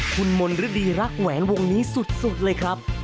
คุณมนฤดีรักแหวนวงนี้สุดเลยครับ